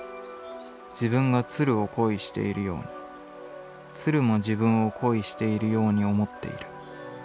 自分が鶴を恋しているように鶴も自分を恋しているように思っている。